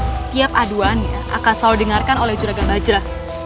setiap aduannya akan selalu di dengarkan oleh curagan bajrah